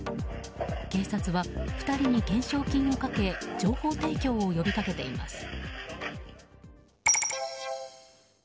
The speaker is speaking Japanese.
警察は、２人に懸賞金をかけ情報提供を呼び掛けています。